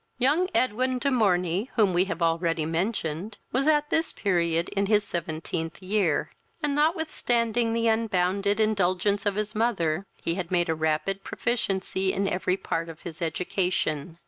Young Edwin de Morney, whom we have already mentioned, was at this period in his seventeenth year, and, notwithstanding the unbounded indulgence of his mother, he had made a rapid proficiency in every part of his education.